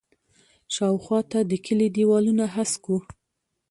شاوخوا ته د کلي دیوالونه هسک وو.